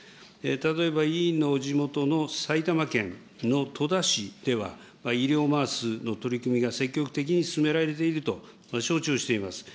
例えば委員の地元の埼玉県の戸田市では、医療ＭａａＳの取り組みが積極的に進められていると承知をしています。